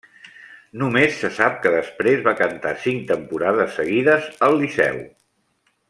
Només se sap que després va cantar cinc temporades seguides al Liceu.